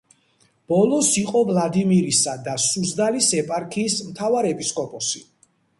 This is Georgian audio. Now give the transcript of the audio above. ბოლოს იყო ვლადიმირისა და სუზდალის ეპარქიის მთავარეპისკოპოსი.